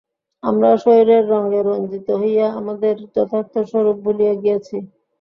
আমরাও শরীরের রঙে রঞ্জিত হইয়া আমাদের যথার্থ স্বরূপ ভুলিয়া গিয়াছি।